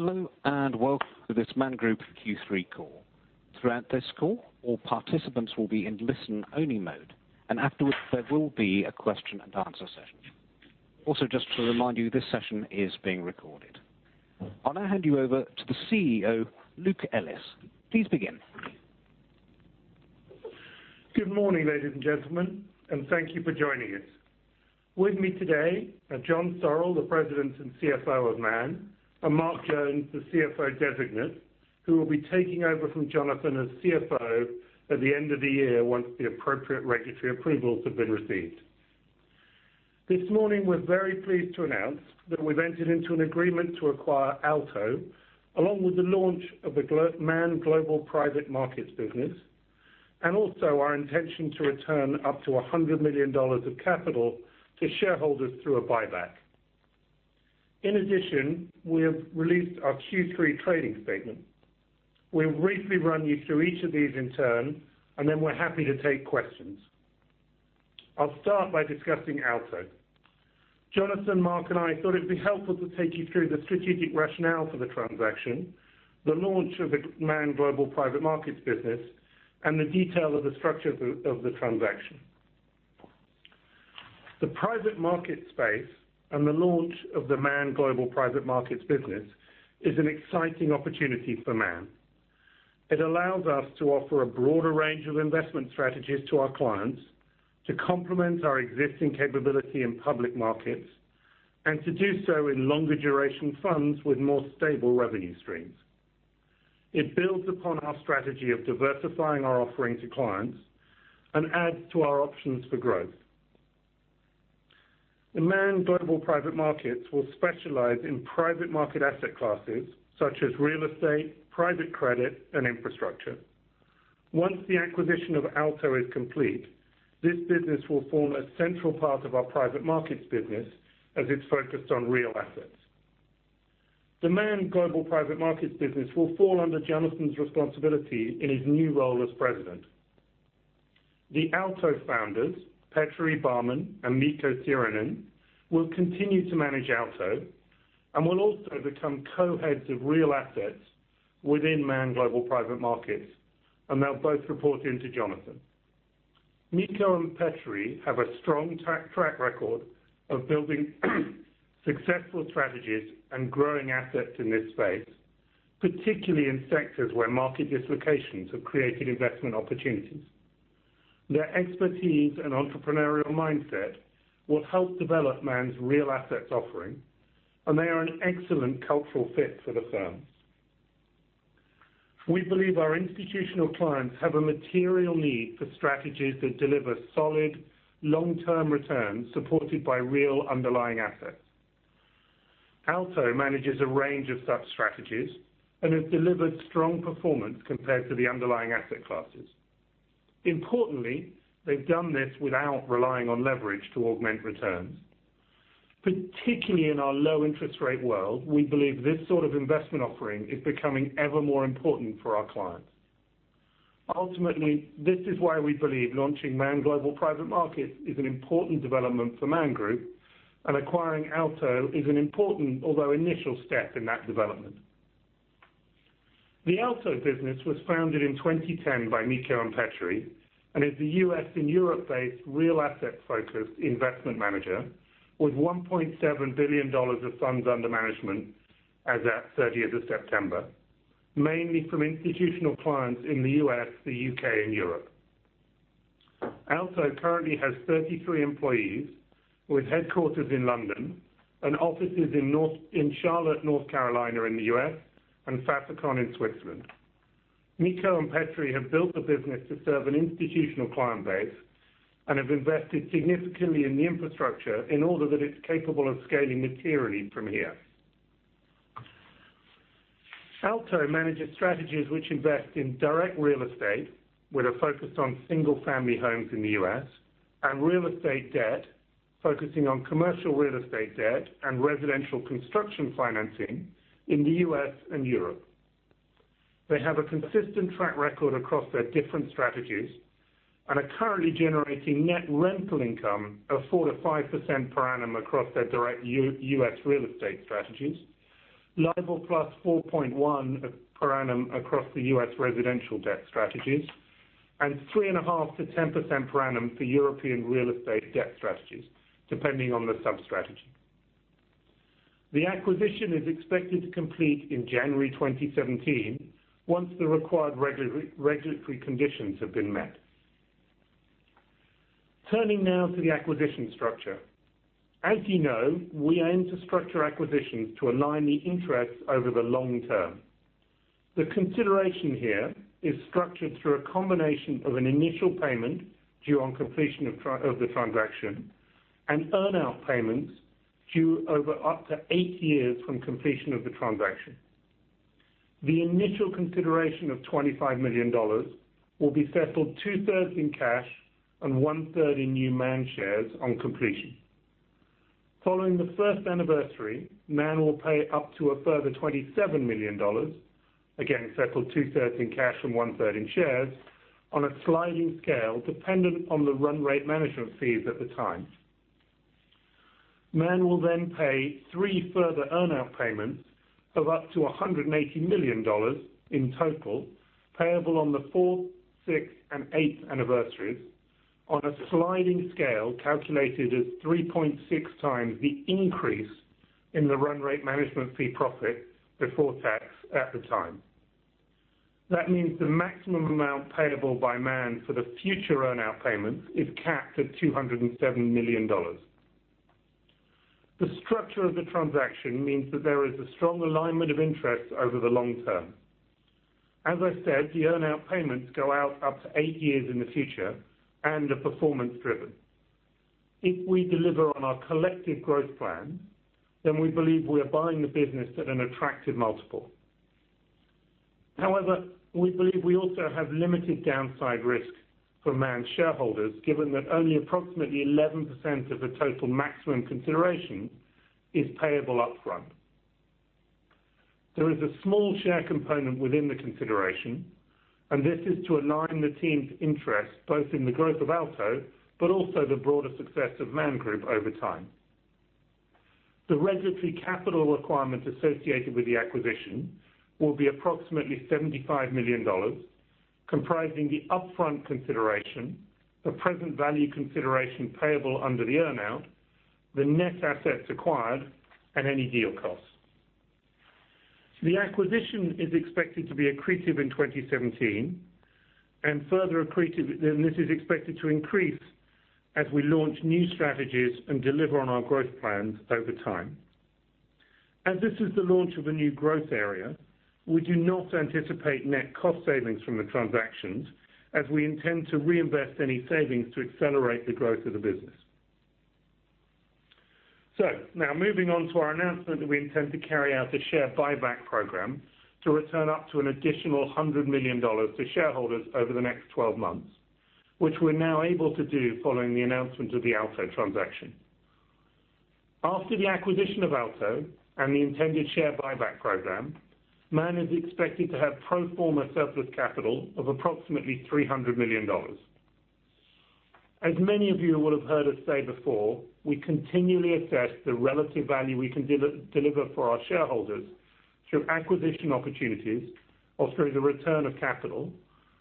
Hello, welcome to this Man Group Q3 call. Throughout this call, all participants will be in listen-only mode, and afterwards there will be a question and answer session. Just to remind you, this session is being recorded. I'll now hand you over to the CEO, Luke Ellis. Please begin. Good morning, ladies and gentlemen, and thank you for joining us. With me today are Jonathan Sorrell, the President and CFO of Man, and Mark Jones, the CFO Designate, who will be taking over from Jonathan as CFO at the end of the year once the appropriate regulatory approvals have been received. This morning, we're very pleased to announce that we've entered into an agreement to acquire Aalto, along with the launch of the Man Global Private Markets business, and also our intention to return up to $100 million of capital to shareholders through a buyback. We have released our Q3 trading statement. We'll briefly run you through each of these in turn, and then we're happy to take questions. I'll start by discussing Aalto. Jonathan, Mark, and I thought it'd be helpful to take you through the strategic rationale for the transaction, the launch of the Man Global Private Markets business, and the detail of the structure of the transaction. The private markets space and the launch of the Man Global Private Markets business is an exciting opportunity for Man. It allows us to offer a broader range of investment strategies to our clients to complement our existing capability in public markets and to do so in longer duration funds with more stable revenue streams. It builds upon our strategy of diversifying our offering to clients and adds to our options for growth. The Man Global Private Markets will specialize in private market asset classes such as real estate, private credit, and infrastructure. Once the acquisition of Aalto is complete, this business will form a central part of our private markets business as it's focused on real assets. The Man Global Private Markets business will fall under Jonathan's responsibility in his new role as President. The Aalto founders, Petri Barman and Mikko Tirunen, will continue to manage Aalto and will also become Co-Heads of Real Assets within Man Global Private Markets, and they'll both report into Jonathan. Mikko and Petri have a strong track record of building successful strategies and growing assets in this space, particularly in sectors where market dislocations have created investment opportunities. Their expertise and entrepreneurial mindset will help develop Man's real assets offering, and they are an excellent cultural fit for the firm. We believe our institutional clients have a material need for strategies that deliver solid long-term returns supported by real underlying assets. Aalto manages a range of such strategies and has delivered strong performance compared to the underlying asset classes. Importantly, they have done this without relying on leverage to augment returns. Particularly in our low interest rate world, we believe this sort of investment offering is becoming ever more important for our clients. Ultimately, this is why we believe launching Man Global Private Markets is an important development for Man Group and acquiring Aalto is an important, although initial, step in that development. The Aalto business was founded in 2010 by Mikko and Petri and is a U.S. and Europe-based real asset-focused investment manager with $1.7 billion of funds under management as at 30th of September, mainly from institutional clients in the U.S., the U.K., and Europe. Aalto currently has 33 employees with headquarters in London and offices in Charlotte, North Carolina in the U.S., and Saas-Fee, in Switzerland. Mikko and Petri have built the business to serve an institutional client base and have invested significantly in the infrastructure in order that it's capable of scaling materially from here. Aalto manages strategies which invest in direct real estate with a focus on single-family homes in the U.S. and real estate debt, focusing on commercial real estate debt and residential construction financing in the U.S. and Europe. They have a consistent track record across their different strategies and are currently generating net rental income of 4%-5% per annum across their direct U.S. real estate strategies, LIBOR plus 4.1% per annum across the U.S. residential debt strategies, and 3.5%-10% per annum for European real estate debt strategies, depending on the sub-strategy. The acquisition is expected to complete in January 2017 once the required regulatory conditions have been met. Turning now to the acquisition structure. As you know, we aim to structure acquisitions to align the interests over the long term. The consideration here is structured through a combination of an initial payment due on completion of the transaction and earn-out payments due over up to eight years from completion of the transaction. The initial consideration of $25 million will be settled two-thirds in cash and one-third in new Man shares on completion. Following the first anniversary, Man will pay up to a further $27 million, again settled two-thirds in cash and one-third in shares, on a sliding scale dependent on the run rate management fees at the time. Man will then pay three further earn-out payments of up to $180 million in total, payable on the fourth, sixth, and eighth anniversaries on a sliding scale calculated as 3.6 times the increase in the run rate management fee profit before tax at the time. That means the maximum amount payable by Man for the future earn-out payments is capped at $207 million. The structure of the transaction means that there is a strong alignment of interests over the long term. As I said, the earn-out payments go out up to eight years in the future and are performance driven. If we deliver on our collective growth plan, then we believe we are buying the business at an attractive multiple. However, we believe we also have limited downside risk for Man shareholders, given that only approximately 11% of the total maximum consideration is payable upfront. There is a small share component within the consideration, and this is to align the team's interests both in the growth of Aalto but also the broader success of Man Group over time. The regulatory capital requirements associated with the acquisition will be approximately $75 million, comprising the upfront consideration, the present value consideration payable under the earn-out, the net assets acquired, and any deal costs. The acquisition is expected to be accretive in 2017, and this is expected to increase as we launch new strategies and deliver on our growth plans over time. As this is the launch of a new growth area, we do not anticipate net cost savings from the transactions, as we intend to reinvest any savings to accelerate the growth of the business. Moving on to our announcement that we intend to carry out a share buyback program to return up to an additional $100 million to shareholders over the next 12 months, which we are now able to do following the announcement of the Aalto transaction. After the acquisition of Aalto and the intended share buyback program, Man is expected to have pro forma surplus capital of approximately $300 million. As many of you will have heard us say before, we continually assess the relative value we can deliver for our shareholders through acquisition opportunities or through the return of capital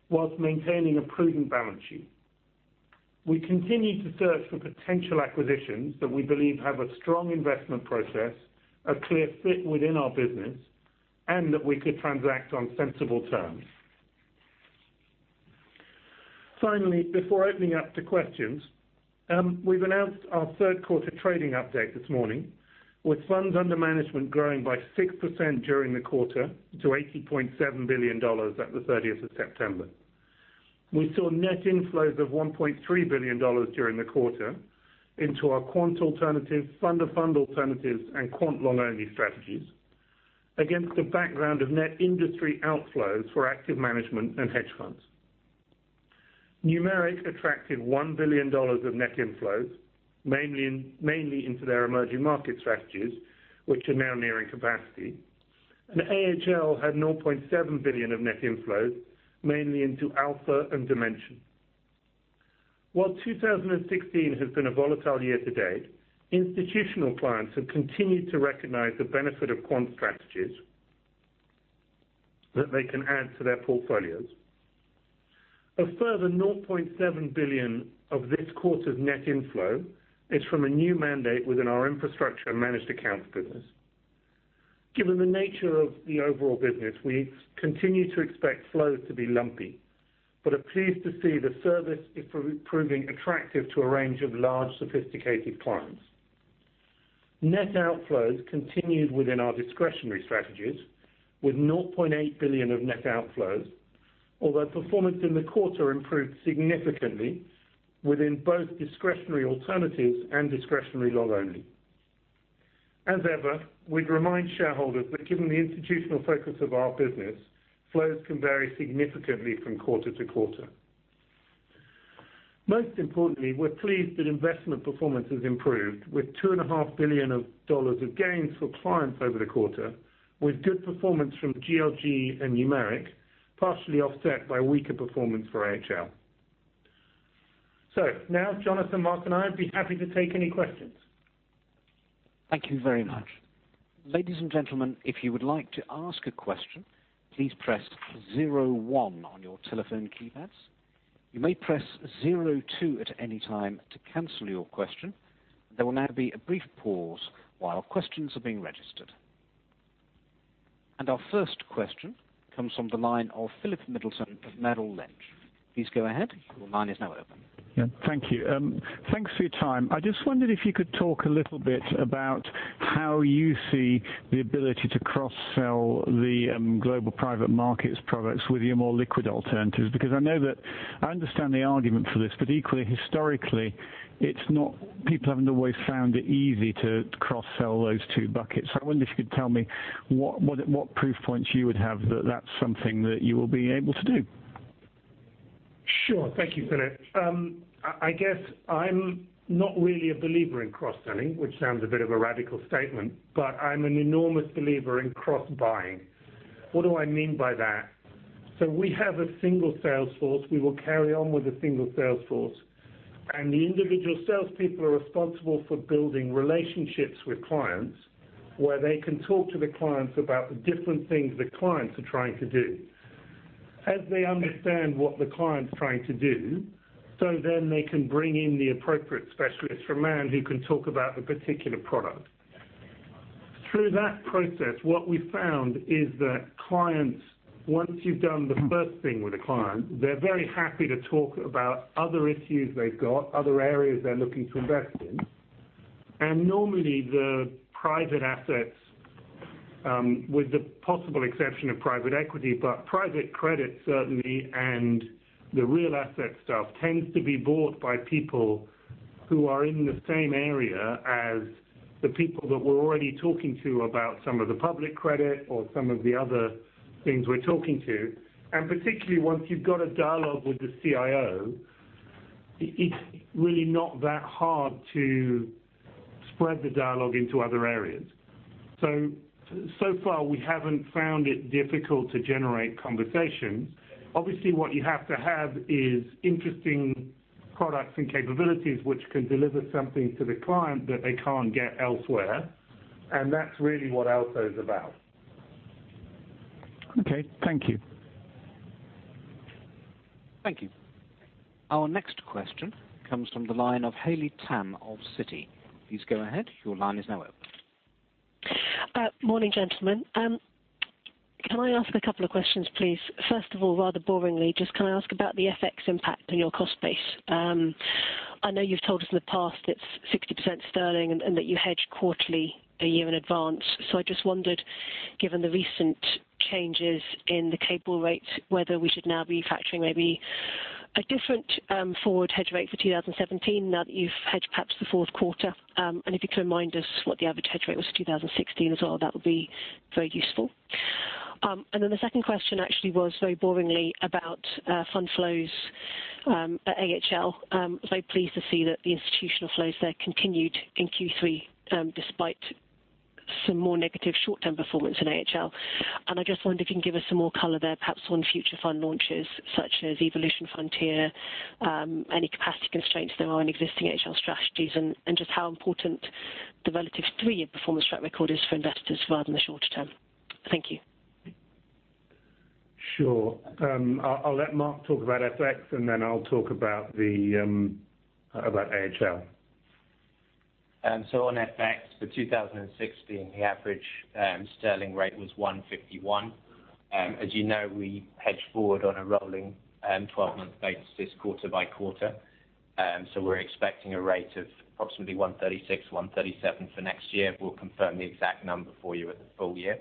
whilst maintaining a prudent balance sheet. We continue to search for potential acquisitions that we believe have a strong investment process, a clear fit within our business, and that we could transact on sensible terms. Finally, before opening up to questions, we have announced our third quarter trading update this morning with funds under management growing by 6% during the quarter to $80.7 billion at the 30th of September. We saw net inflows of $1.3 billion during the quarter into our quant alternative, fund of fund alternatives, and quant long only strategies against the background of net industry outflows for active management and hedge funds. Numeric attracted $1 billion of net inflows, mainly into their emerging market strategies, which are now nearing capacity. AHL had $0.7 billion of net inflows, mainly into Alpha and Dimension. While 2016 has been a volatile year to date, institutional clients have continued to recognize the benefit of quant strategies that they can add to their portfolios. A further $0.7 billion of this quarter's net inflow is from a new mandate within our infrastructure managed accounts business. Given the nature of the overall business, we continue to expect flows to be lumpy but are pleased to see the service proving attractive to a range of large, sophisticated clients. Net outflows continued within our discretionary strategies with $0.8 billion of net outflows, although performance in the quarter improved significantly within both discretionary alternatives and discretionary long only. As ever, we would remind shareholders that given the institutional focus of our business, flows can vary significantly from quarter to quarter. Most importantly, we are pleased that investment performance has improved with $2.5 billion of gains for clients over the quarter, with good performance from GLG and Numeric, partially offset by weaker performance for AHL. Jonathan, Mark, and I would be happy to take any questions. Thank you very much. Ladies and gentlemen, if you would like to ask a question, please press 01 on your telephone keypads. You may press 02 at any time to cancel your question. There will now be a brief pause while questions are being registered. Our first question comes from the line of Philip Middleton of Merrill Lynch. Please go ahead. Your line is now open. Yeah. Thank you. Thanks for your time. I just wondered if you could talk a little bit about how you see the ability to cross-sell the global private markets products with your more liquid alternatives. I understand the argument for this, but equally historically, people haven't always found it easy to cross-sell those two buckets. I wonder if you could tell me what proof points you would have that that's something that you will be able to do. Sure. Thank you, Philip. I guess I'm not really a believer in cross-selling, which sounds a bit of a radical statement, but I'm an enormous believer in cross-buying. What do I mean by that? We have a single sales force. We will carry on with a single sales force, and the individual salespeople are responsible for building relationships with clients, where they can talk to the clients about the different things the clients are trying to do. As they understand what the client's trying to do, they can bring in the appropriate specialist from Man who can talk about a particular product. Through that process, what we've found is that clients, once you've done the first thing with a client, they're very happy to talk about other issues they've got, other areas they're looking to invest in. Normally the private assets, with the possible exception of private equity, but private credit certainly, and the real asset stuff tends to be bought by people who are in the same area as the people that we're already talking to about some of the public credit or some of the other things we're talking to. Particularly once you've got a dialogue with the CIO, it's really not that hard to spread the dialogue into other areas. So far we haven't found it difficult to generate conversations. Obviously, what you have to have is interesting products and capabilities which can deliver something to the client that they can't get elsewhere. That's really what Aalto is about. Okay. Thank you. Thank you. Our next question comes from the line of Haley Tam of Citi. Please go ahead. Your line is now open. Morning, gentlemen. Can I ask a couple of questions, please? First of all, rather boringly, just can I ask about the FX impact on your cost base? I know you've told us in the past it's 60% sterling and that you hedge quarterly a year in advance. I just wondered, given the recent changes in the cable rate, whether we should now be factoring maybe a different forward hedge rate for 2017 now that you've hedged perhaps the fourth quarter. If you can remind us what the average hedge rate was for 2016 as well, that would be very useful. Then the second question actually was very boringly about fund flows at AHL. Very pleased to see that the institutional flows there continued in Q3 despite some more negative short-term performance in AHL. I just wonder if you can give us some more color there, perhaps on future fund launches such as Evolution Frontier, any capacity constraints there are in existing AHL strategies, and just how important the relative three-year performance track record is for investors rather than the shorter term. Thank you. Sure. I'll let Mark talk about FX, then I'll talk about AHL. On FX for 2016, the average sterling rate was 151. As you know, we hedge forward on a rolling 12-month basis quarter by quarter. We're expecting a rate of approximately 136, 137 for next year. We'll confirm the exact number for you at the full year.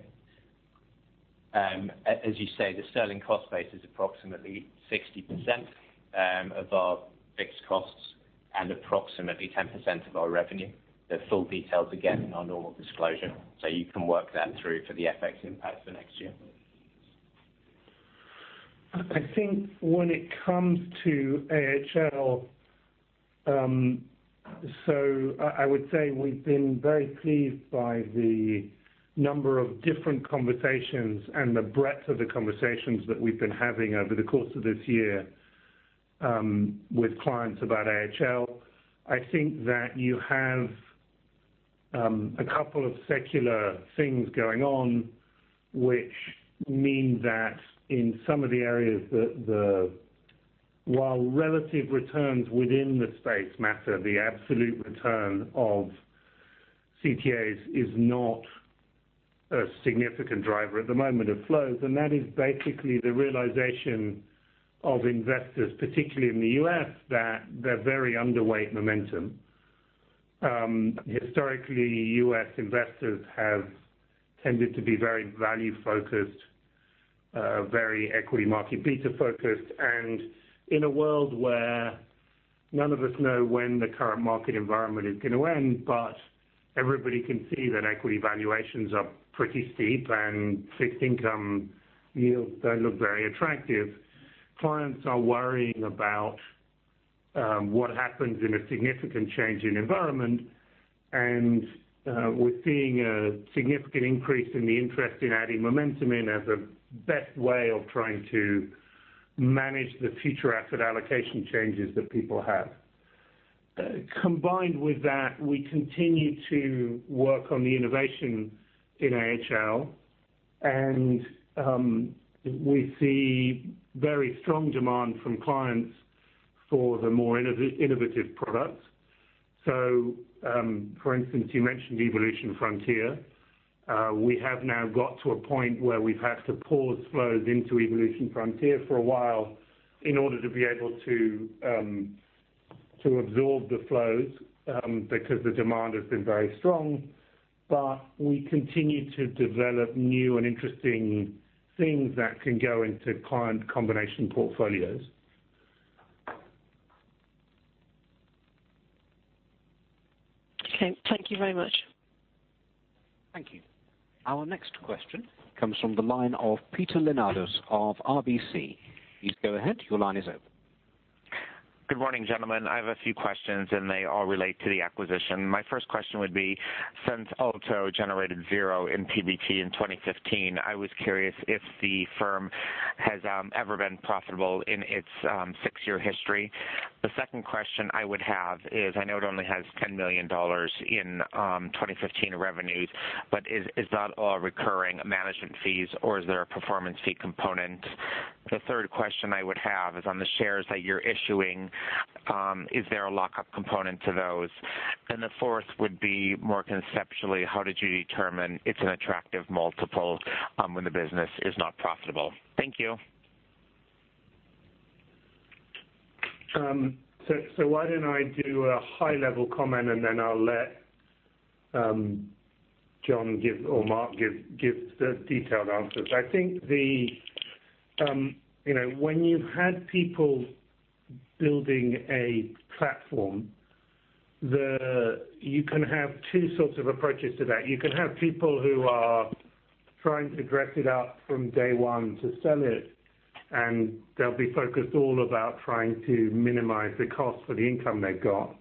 As you say, the sterling cost base is approximately 60% of our fixed costs and approximately 10% of our revenue. There are full details again in our normal disclosure, you can work that through for the FX impact for next year. When it comes to AHL, I would say we've been very pleased by the number of different conversations and the breadth of the conversations that we've been having over the course of this year with clients about AHL. I think that you have a couple of secular things going on, which mean that in some of the areas that while relative returns within the space matter, the absolute return of CTAs is not a significant driver at the moment of flows. That is basically the realization of investors, particularly in the U.S., that they're very underweight momentum. Historically, U.S. investors have tended to be very value-focused, very equity market beta-focused, in a world where none of us know when the current market environment is going to end, but everybody can see that equity valuations are pretty steep and fixed income yields don't look very attractive. Clients are worrying about what happens in a significant change in environment, we're seeing a significant increase in the interest in adding momentum in as a best way of trying to manage the future asset allocation changes that people have. Combined with that, we continue to work on the innovation in AHL, and we see very strong demand from clients for the more innovative products. For instance, you mentioned Evolution Frontier. We have now got to a point where we've had to pause flows into Evolution Frontier for a while in order to be able to absorb the flows because the demand has been very strong. We continue to develop new and interesting things that can go into client combination portfolios. Okay. Thank you very much. Thank you. Our next question comes from the line of Peter Lenardos of RBC. Please go ahead. Your line is open. Good morning, gentlemen. I have a few questions. They all relate to the acquisition. My first question would be, since Aalto generated zero in PBT in 2015, I was curious if the firm has ever been profitable in its six-year history. The second question I would have is, I know it only has GBP 10 million in 2015 revenues. Is that all recurring management fees, or is there a performance fee component? The third question I would have is on the shares that you're issuing, is there a lock-up component to those? The fourth would be more conceptually, how did you determine it's an attractive multiple when the business is not profitable? Thank you. Why don't I do a high-level comment and then I'll let John give or Mark give the detailed answers. I think when you've had people building a platform, you can have two sorts of approaches to that. You can have people who are trying to dress it up from day one to sell it, and they'll be focused all about trying to minimize the cost for the income they've got.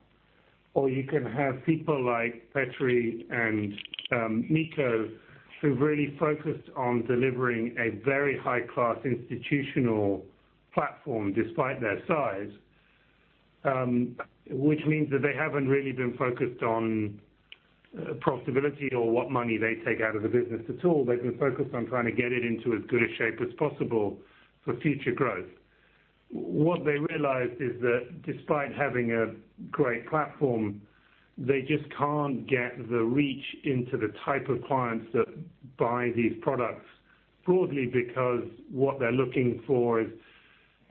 You can have people like Petri and Mikko, who really focused on delivering a very high-class institutional platform despite their size. Which means that they haven't really been focused on profitability or what money they take out of the business at all. They've been focused on trying to get it into as good a shape as possible for future growth. What they realized is that despite having a great platform, they just can't get the reach into the type of clients that buy these products broadly because what they're looking for is,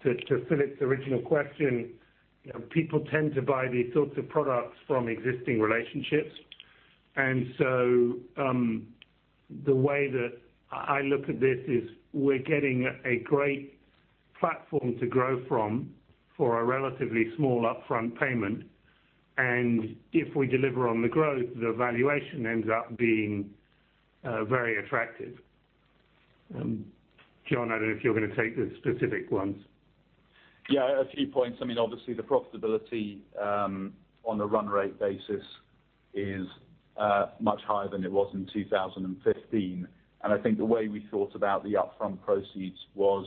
to Philip's original question, people tend to buy these sorts of products from existing relationships. The way that I look at this is we're getting a great platform to grow from for a relatively small upfront payment. If we deliver on the growth, the valuation ends up being very attractive. Jonathan, I don't know if you're going to take the specific ones. Yeah, a few points. Obviously, the profitability on a run-rate basis is much higher than it was in 2015. I think the way we thought about the upfront proceeds was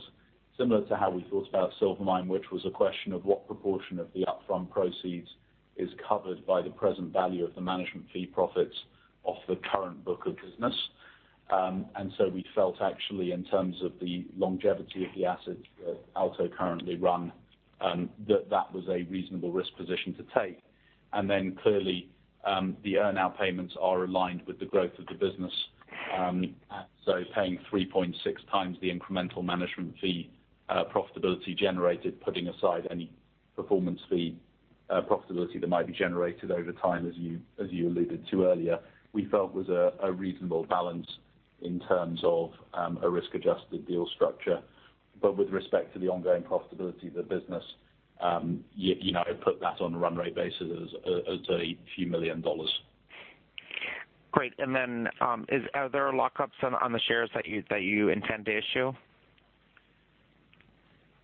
similar to how we thought about Silvermine, which was a question of what proportion of the upfront proceeds is covered by the present value of the management fee profits off the current book of business. We felt actually in terms of the longevity of the assets that Aalto currently run, that that was a reasonable risk position to take. Clearly, the earn-out payments are aligned with the growth of the business. Paying 3.6x the incremental management fee profitability generated, putting aside any performance fee profitability that might be generated over time as you alluded to earlier, we felt was a reasonable balance in terms of a risk-adjusted deal structure. With respect to the ongoing profitability of the business, I put that on a run-rate basis as a few million GBP. Great. Are there lock-ups on the shares that you intend to issue?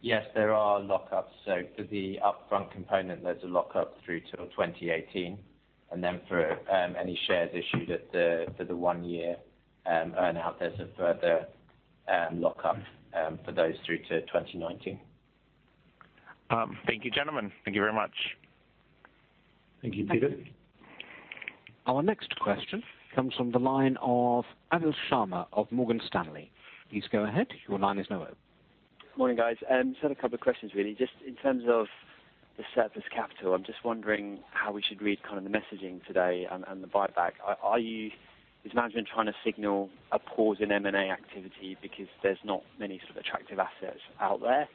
Yes, there are lock-ups. For the upfront component, there's a lock-up through till 2018. For any shares issued at the one year earn-out, there's a further lock-up for those through to 2019. Thank you, gentlemen. Thank you very much. Thank you, Peter. Thank you. Our next question comes from the line of Anil Sharma of Morgan Stanley. Please go ahead. Your line is now open. Morning, guys. Just had a couple of questions really. Just in terms of the surplus capital, I'm just wondering how we should read the messaging today and the buyback. Is management trying to signal a pause in M&A activity because there's not many sort of attractive assets out there?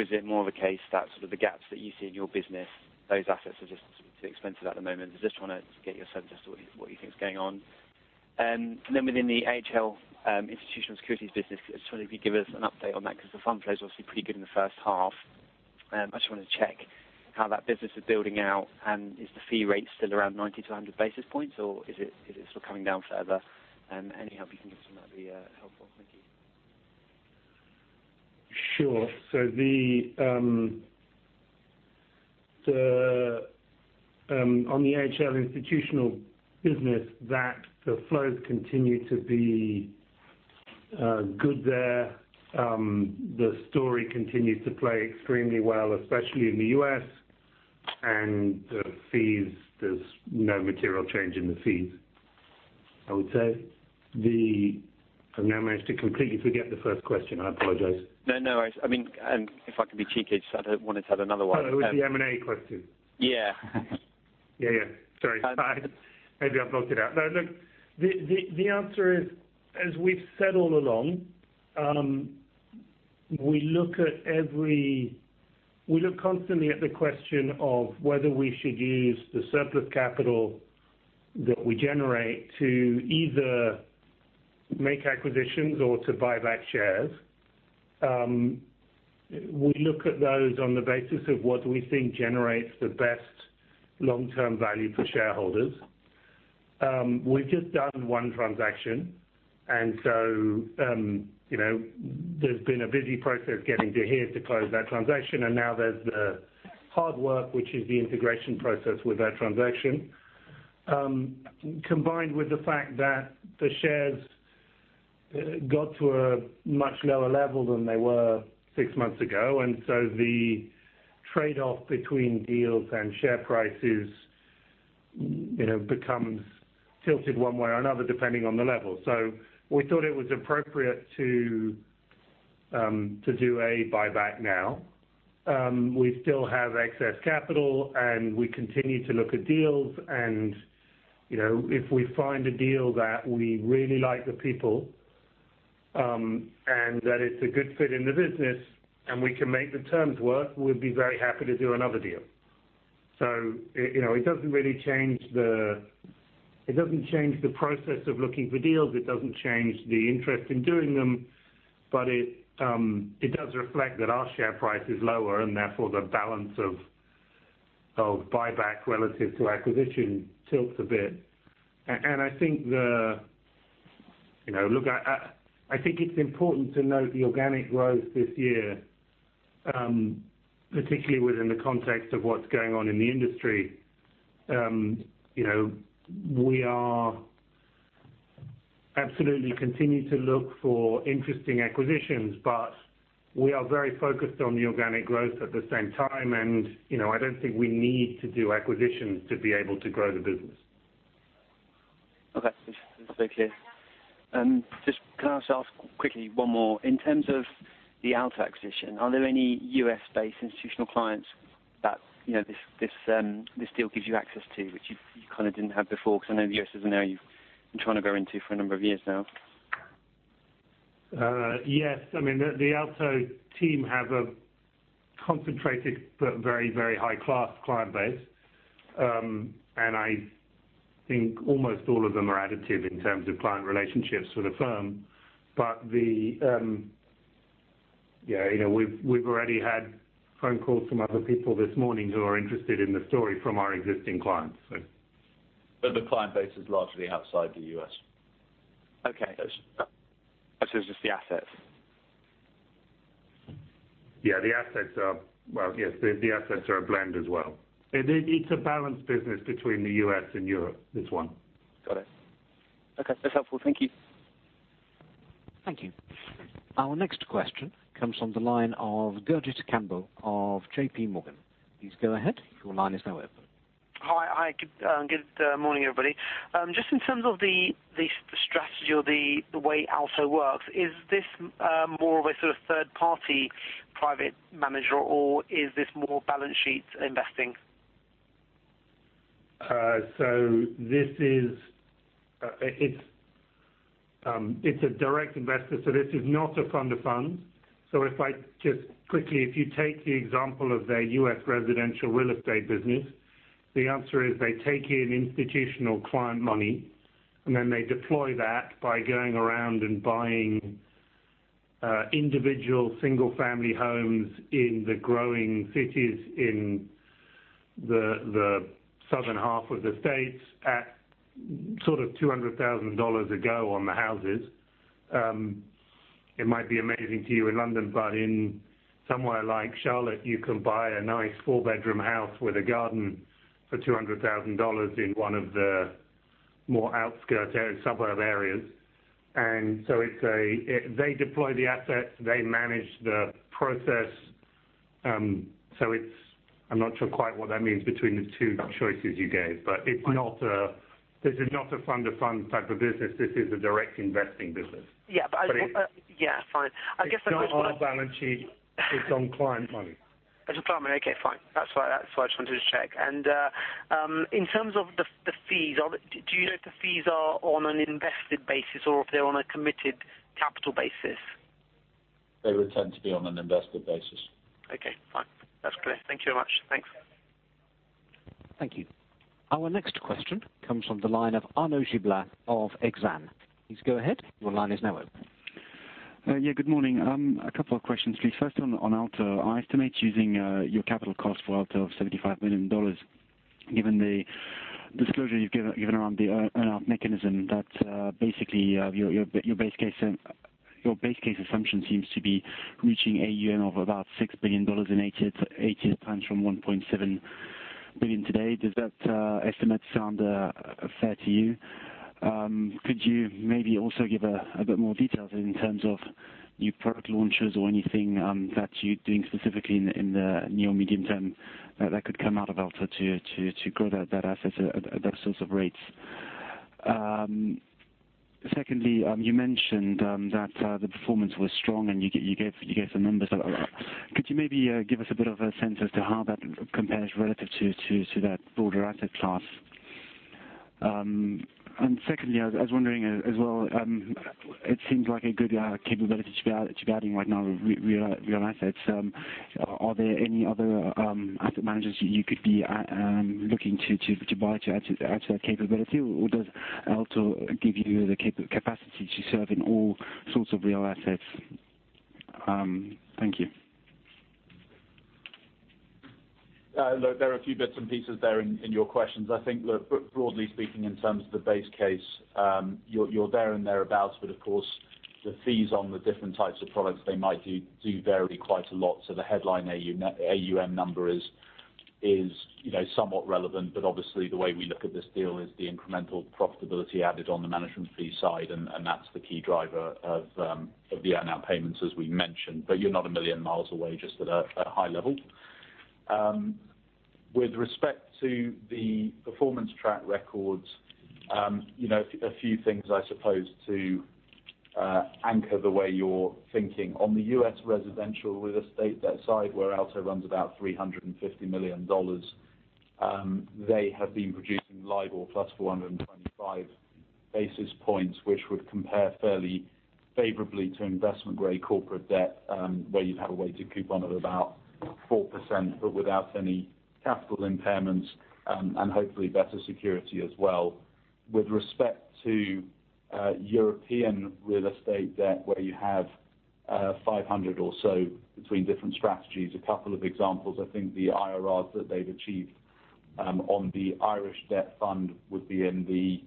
Is it more of a case that the gaps that you see in your business, those assets are just too expensive at the moment. I just want to get your sense as to what you think is going on. Within the AHL Institutional Securities business, just wondering if you could give us an update on that, because the fund flow is obviously pretty good in the first half. I just wanted to check how that business is building out, and is the fee rate still around 90-100 basis points, or is it still coming down further? Any help you can give us on that would be helpful. Thank you. Sure. On the AHL Institutional business, the flows continue to be good there. The story continues to play extremely well, especially in the U.S. The fees, there's no material change in the fees I would say. I've now managed to completely forget the first question. I apologize. No, no worries. If I can be cheeky, I just wanted to add another one. It was the M&A question. Yeah. Yeah. Sorry. Maybe I've blocked it out. No, look, the answer is, as we've said all along, we look constantly at the question of whether we should use the surplus capital that we generate to either make acquisitions or to buy back shares. We look at those on the basis of what we think generates the best long-term value for shareholders. We've just done one transaction, there's been a busy process getting to here to close that transaction. Now there's the hard work, which is the integration process with that transaction. Combined with the fact that the shares got to a much lower level than they were six months ago. The trade-off between deals and share prices becomes tilted one way or another, depending on the level. We thought it was appropriate to do a buyback now. We still have excess capital, we continue to look at deals. If we find a deal that we really like the people, and that it's a good fit in the business, and we can make the terms work, we'd be very happy to do another deal. It doesn't really change the process of looking for deals. It doesn't change the interest in doing them. It does reflect that our share price is lower, therefore the balance of buyback relative to acquisition tilts a bit. I think it's important to note the organic growth this year, particularly within the context of what's going on in the industry. We are absolutely continuing to look for interesting acquisitions, but we are very focused on the organic growth at the same time. I don't think we need to do acquisitions to be able to grow the business. Okay. That's very clear. Just can I just ask quickly one more. In terms of the Aalto acquisition, are there any U.S.-based institutional clients that this deal gives you access to which you kind of didn't have before? I know the U.S. is an area you've been trying to go into for a number of years now. Yes. The Aalto team have a concentrated but very high-class client base. I think almost all of them are additive in terms of client relationships for the firm. We've already had phone calls from other people this morning who are interested in the story from our existing clients. The client base is largely outside the U.S. Okay. It's just the assets. Yeah, the assets are a blend as well. It's a balanced business between the U.S. and Europe, this one. Got it. Okay. That's helpful. Thank you. Thank you. Our next question comes from the line of Gurjit Kambo of J.P. Morgan. Please go ahead, your line is now open. Hi. Good morning, everybody. Just in terms of the strategy or the way Aalto works, is this more of a sort of third-party private manager, or is this more balance sheet investing? It's a direct investor, so this is not a fund to fund. If I just quickly, if you take the example of their U.S. residential real estate business, the answer is they take in institutional client money, then they deploy that by going around and buying individual single-family homes in the growing cities in the southern half of the States at sort of $200,000 a go on the houses. It might be amazing to you in London, but in somewhere like Charlotte, you can buy a nice four-bedroom house with a garden for $200,000 in one of the more outskirt area, suburb areas. They deploy the assets. They manage the process. I'm not sure quite what that means between the two choices you gave, but this is not a fund-to-fund type of business. This is a direct investing business. Yeah. Fine. I guess. It's not on our balance sheet. It's on client money. It's on client money. Okay, fine. That's all right. That's what I just wanted to check. In terms of the fees, do you know if the fees are on an invested basis or if they're on a committed capital basis? They would tend to be on an invested basis. Okay, fine. That is clear. Thank you very much. Thanks. Thank you. Our next question comes from the line of Arnaud Giblat of Exane. Please go ahead. Your line is now open. Yeah, good morning. A couple of questions, please. First, on Aalto, I estimate using your capital cost for Aalto of $75 million. Given the disclosure you have given around the mechanism that basically your base case assumption seems to be reaching AUM of about $6 billion in eight years' time from $1.7 billion today. Does that estimate sound fair to you? Could you maybe also give a bit more details in terms of new product launches or anything that you are doing specifically in the near medium term that could come out of Aalto to grow that asset at that sorts of rates? Secondly, you mentioned that the performance was strong, and you gave the numbers. Could you maybe give us a bit of a sense as to how that compares relative to that broader asset class? Secondly, I was wondering as well, it seems like a good capability to be adding right now with real assets. Are there any other asset managers you could be looking to buy to add to that capability? Or does Aalto give you the capacity to serve in all sorts of real assets? Thank you. There are a few bits and pieces there in your questions. Broadly speaking, in terms of the base case, you're there and thereabouts. Of course, the fees on the different types of products, they might do vary quite a lot. The headline AUM number is somewhat relevant. Obviously the way we look at this deal is the incremental profitability added on the management fee side, and that's the key driver of the earn-out payments, as we mentioned. You're not a million miles away, just at a high level. With respect to the performance track records, a few things, I suppose, to anchor the way you're thinking. On the U.S. residential real estate side, where Aalto runs about $350 million, they have been producing LIBOR plus 425 basis points, which would compare fairly favorably to investment-grade corporate debt, where you'd have a weighted coupon of about 4%, but without any capital impairments and hopefully better security as well. With respect to European real estate debt, where you have 500 or so between different strategies, a couple of examples. The IRRs that they've achieved on the Irish debt fund would be in the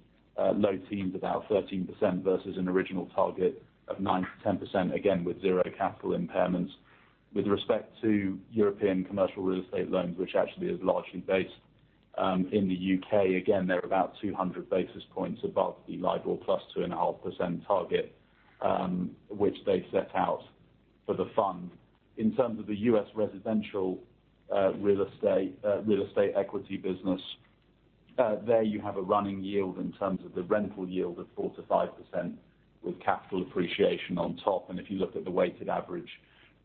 low teens, about 13%, versus an original target of 9%-10%, again, with zero capital impairments. With respect to European commercial real estate loans, which actually is largely based in the U.K., again, they're about 200 basis points above the LIBOR plus 2.5% target which they set out for the fund. In terms of the U.S. residential real estate equity business, there you have a running yield in terms of the rental yield of 4%-5% with capital appreciation on top. If you looked at the weighted average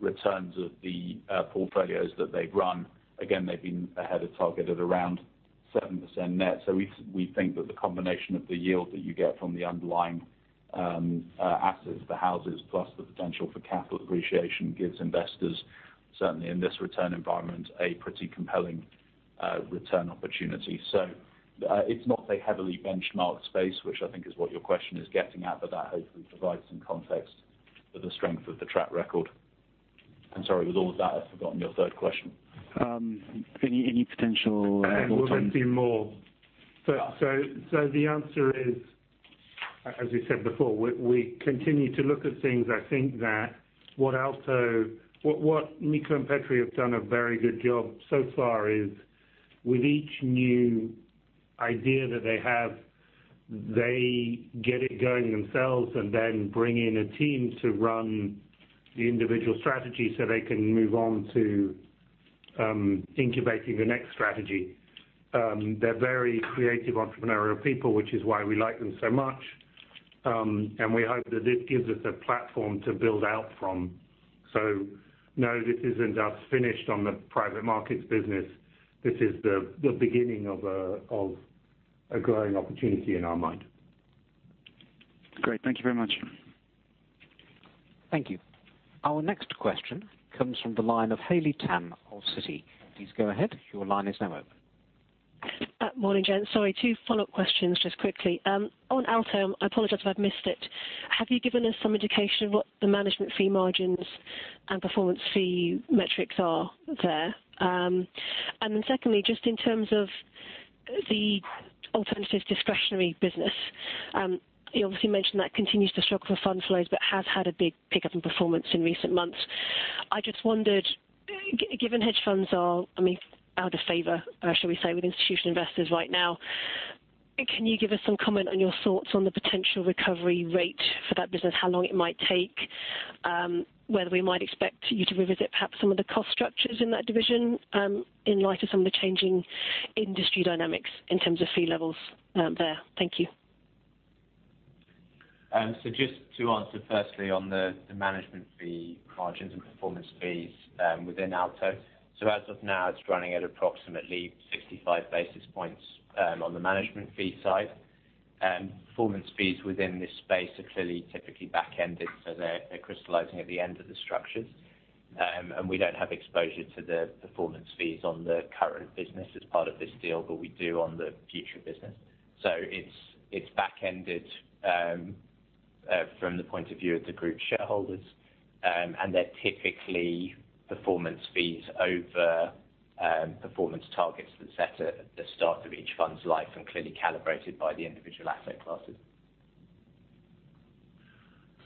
returns of the portfolios that they've run, again, they've been ahead of target at around 7% net. We think that the combination of the yield that you get from the underlying assets, the houses, plus the potential for capital appreciation, gives investors, certainly in this return environment, a pretty compelling return opportunity. It's not a heavily benchmarked space, which I think is what your question is getting at. That hopefully provides some context for the strength of the track record. I'm sorry. With all of that, I've forgotten your third question. Any potential add-ons We'll see more. The answer is, as we said before, we continue to look at things. I think that what Mikko and Petri have done a very good job so far is with each new idea that they have, they get it going themselves and then bring in a team to run the individual strategy so they can move on to incubating the next strategy. They're very creative, entrepreneurial people, which is why we like them so much. We hope that this gives us a platform to build out from. No, this isn't us finished on the private markets business. This is the beginning of a growing opportunity in our mind. Great. Thank you very much. Thank you. Our next question comes from the line of Haley Tam of Citi. Please go ahead. Your line is now open. Morning, gents. Sorry, two follow-up questions just quickly. On Aalto, I apologize if I've missed it, have you given us some indication of what the management fee margins and performance fee metrics are there? Secondly, just in terms of the alternatives discretionary business, you obviously mentioned that continues to struggle for fund flows but has had a big pickup in performance in recent months. I just wondered, given hedge funds are out of favor, shall we say, with institutional investors right now, can you give us some comment on your thoughts on the potential recovery rate for that business? How long it might take, whether we might expect you to revisit perhaps some of the cost structures in that division in light of some of the changing industry dynamics in terms of fee levels there. Thank you. Just to answer firstly on the management fee margins and performance fees within Aalto. As of now, it's running at approximately 65 basis points on the management fee side. Performance fees within this space are clearly typically back-ended, so they're crystallizing at the end of the structures. We don't have exposure to the performance fees on the current business as part of this deal, but we do on the future business. It's back-ended from the point of view of the group shareholders, and they're typically performance fees over performance targets that are set at the start of each fund's life and clearly calibrated by the individual asset classes.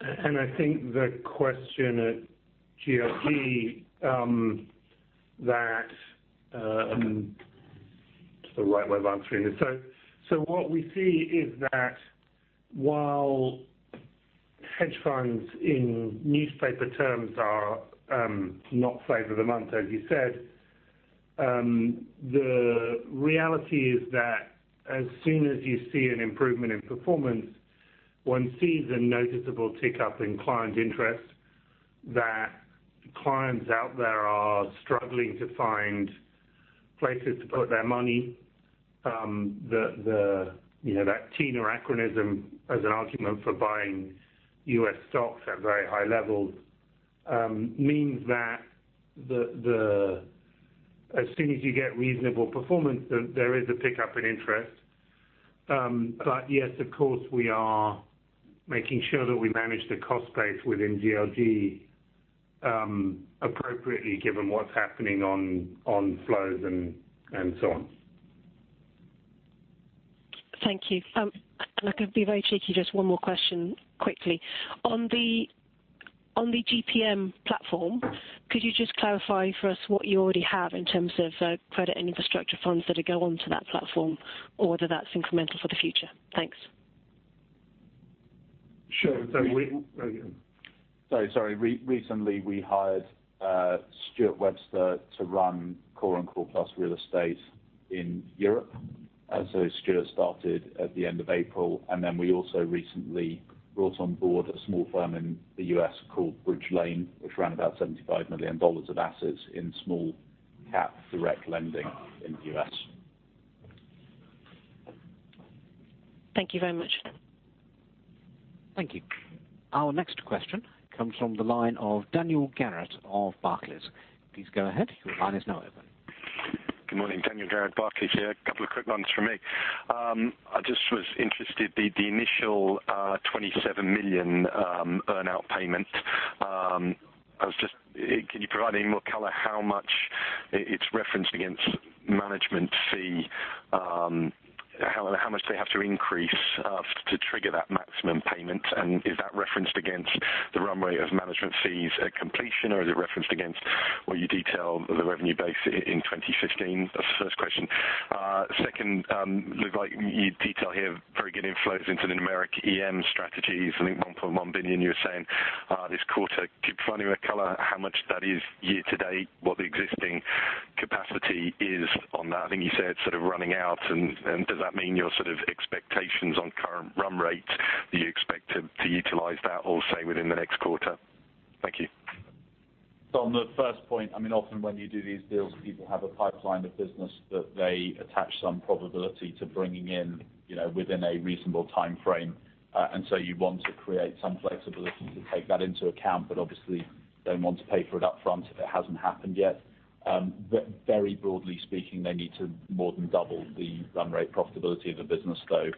I think the question at GLG that I'm not sure the right way of answering this. What we see is that while hedge funds in newspaper terms are not favor of the month, as you said, the reality is that as soon as you see an improvement in performance, one sees a noticeable tick up in client interest that clients out there are struggling to find places to put their money. That TINA or acronym as an argument for buying U.S. stocks at very high levels means that as soon as you get reasonable performance, there is a pickup in interest. Yes, of course, we are making sure that we manage the cost base within GLG appropriately given what's happening on flows and so on. Thank you. I'm going to be very cheeky, just one more question quickly. On the GPM platform, could you just clarify for us what you already have in terms of credit and infrastructure funds that go onto that platform or are that's incremental for the future? Thanks. Sure. Sorry. Recently we hired Stuart Webster to run Core and Core Plus Real Estate in Europe. Stuart started at the end of April, we also recently brought on board a small firm in the U.S. called Bridge Lane, which ran about $75 million of assets in small cap direct lending in the U.S. Thank you very much. Thank you. Our next question comes from the line of Daniel Garrod of Barclays. Please go ahead, your line is now open. Good morning. Daniel Garrod, Barclays here. A couple of quick ones from me. I just was interested, the initial $27 million earn-out payment. Can you provide any more color how much it's referenced against management fee? How much they have to increase to trigger that maximum payment? Is that referenced against the runway of management fees at completion, or is it referenced against what you detail the revenue base in 2015? That's the first question. Second, looks like you detail here very good inflows into the Numeric EM strategies, I think $1.1 billion you were saying this quarter. Can you provide any color how much that is year-to-date? What the existing capacity is on that? I think you said sort of running out. Does that mean your sort of expectations on current run rate, do you expect to utilize that all say within the next quarter? Thank you. On the first point, often when you do these deals, people have a pipeline of business that they attach some probability to bringing in within a reasonable timeframe. You want to create some flexibility to take that into account, but obviously don't want to pay for it upfront if it hasn't happened yet. Very broadly speaking, they need to more than double the run rate profitability of a business flow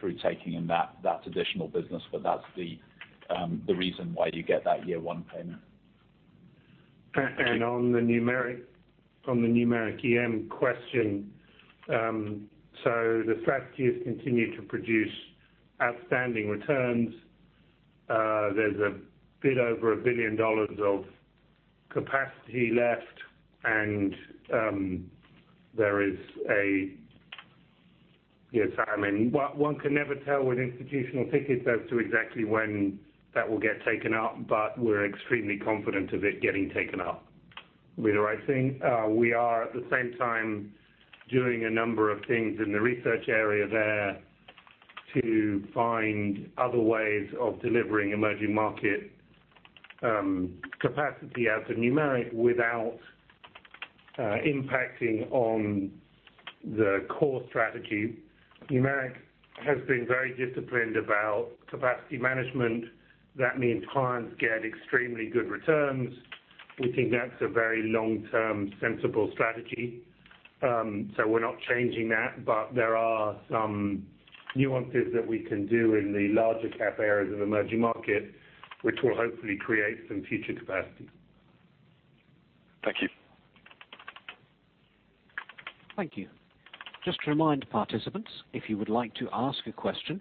through taking in that additional business. That's the reason why you get that year one payment. On the Numeric EM question. The strategies continue to produce outstanding returns. There's a bit over $1 billion of capacity left. One can never tell with institutional tickets as to exactly when that will get taken up, but we're extremely confident of it getting taken up. We are at the same time doing a number of things in the research area there to find other ways of delivering emerging market capacity out of Numeric without impacting on the core strategy. Numeric has been very disciplined about capacity management. That means clients get extremely good returns. We think that's a very long-term sensible strategy. We're not changing that. There are some nuances that we can do in the larger cap areas of emerging market, which will hopefully create some future capacity. Thank you. Thank you. Just to remind participants, if you would like to ask a question,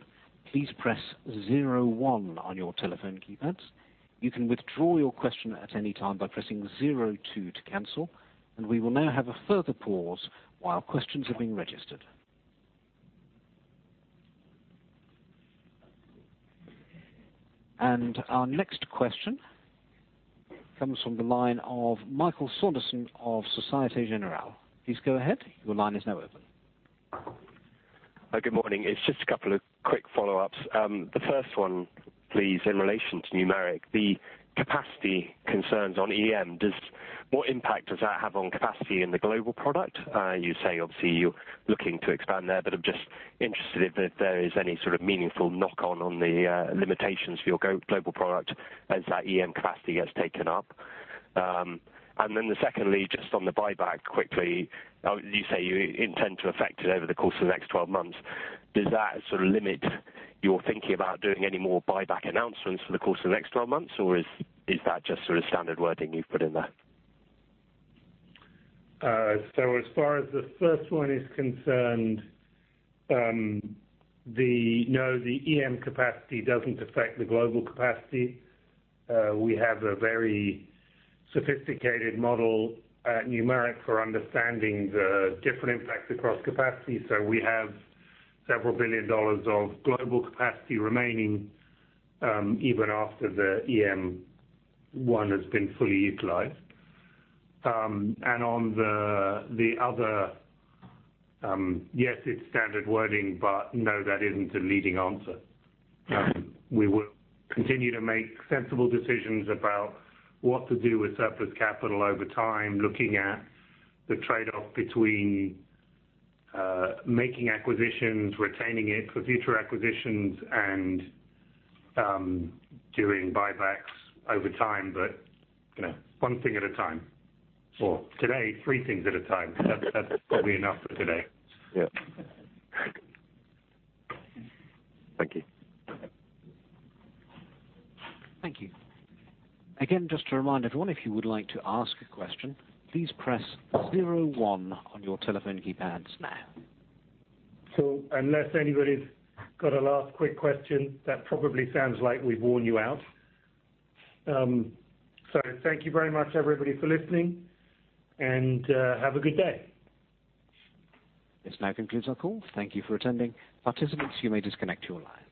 please press zero one on your telephone keypads. You can withdraw your question at any time by pressing zero two to cancel. We will now have a further pause while questions are being registered. Our next question comes from the line of Michael Sanderson of Société Générale. Please go ahead. Your line is now open. Good morning. It's just a couple of quick follow-ups. The first one, please, in relation to Numeric. The capacity concerns on EM. What impact does that have on capacity in the global product? You say obviously you're looking to expand there, but I'm just interested if there is any sort of meaningful knock-on on the limitations for your global product as that EM capacity gets taken up. Then secondly, just on the buyback quickly. You say you intend to effect it over the course of the next 12 months. Does that sort of limit your thinking about doing any more buyback announcements for the course of the next 12 months, or is that just sort of standard wording you've put in there? As far as the first one is concerned, no, the EM capacity doesn't affect the global capacity. We have a very sophisticated model at Numeric for understanding the different impacts across capacity. We have several billion GBP of global capacity remaining, even after the EM one has been fully utilized. On the other, yes, it's standard wording, but no, that isn't a leading answer. We will continue to make sensible decisions about what to do with surplus capital over time, looking at the trade-off between making acquisitions, retaining it for future acquisitions and doing buybacks over time. One thing at a time. Today, three things at a time. That's probably enough for today. Yeah. Thank you. Thank you. Just to remind everyone, if you would like to ask a question, please press zero one on your telephone keypads now. Unless anybody's got a last quick question, that probably sounds like we've worn you out. Thank you very much, everybody, for listening and have a good day. This now concludes our call. Thank you for attending. Participants, you may disconnect your lines.